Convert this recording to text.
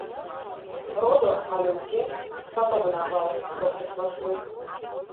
— Родо але уке, шкат огына пале, — шоктыш вашмут.